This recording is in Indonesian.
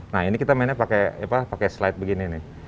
nah ini kita mainnya pakai slide begini nih